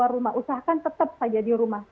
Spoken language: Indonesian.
rasakan tetap saja di rumah